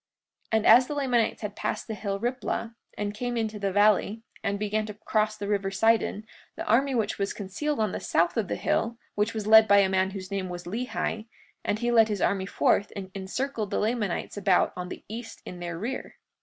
43:35 And as the Lamanites had passed the hill Riplah, and came into the valley, and began to cross the river Sidon, the army which was concealed on the south of the hill, which was led by a man whose name was Lehi, and he led his army forth and encircled the Lamanites about on the east in their rear.